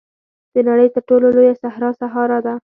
د نړۍ تر ټولو لویه صحرا سهارا ده.